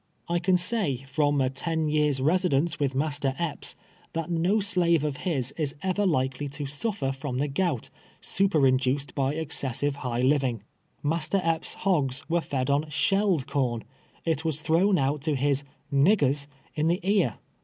I. can sav, from a ten years' residence witli Master Epps, tliat no slave of Lis is ever likely to sufier from tlie gont, snperinduced by excessive liigli living. Master Epps' hogs were fed on shelled corn — it was thrown out to his "niggers" in the ear.